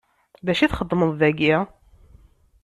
D acu i txeddmeḍ dagi?